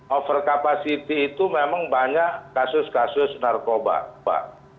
over capacity itu memang banyak kasus kasus narkoba pak